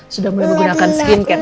sudah mulai menggunakan skincare